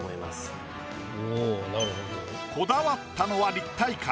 こだわったのは立体感。